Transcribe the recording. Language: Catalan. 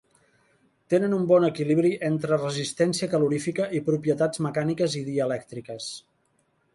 Tenen un bon equilibri entre resistència calorífica i propietats mecàniques i dielèctriques.